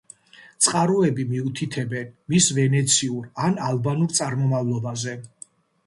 წყაროები მიუთითებენ მის ვენეციურ ან ალბანურ წარმომავლობაზე.